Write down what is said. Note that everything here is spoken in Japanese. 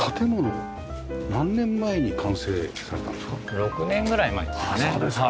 ６年ぐらい前ですかね。